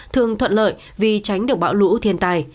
thường thuận lợi vì tránh được bão lũ thiên tài